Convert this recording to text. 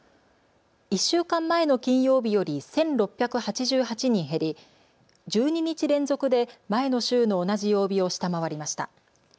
１週間前の金曜日より１６８８人減り、１２日連続で前の週の同じ曜日を下回りました。